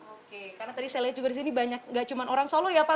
oke karena tadi saya lihat juga disini banyak enggak cuma orang solo ya pak